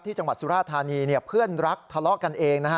ที่จังหวัดสุราธารณีเพื่อนรักทะเลาะกันเอง